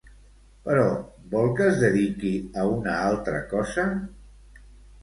Però, vol que es dediqui a una altra cosa?